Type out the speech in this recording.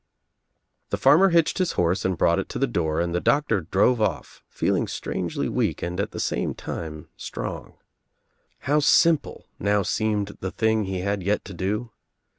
The farmer hitched his horse and brought it to the door and the doctor drove off feeling strangely weak and at the same time strong. How simple now seemed the thing he had yet to do.